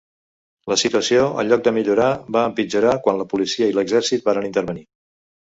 La situació, en lloc de millorar, va empitjorar quan la policia i l'exèrcit varen intervenir.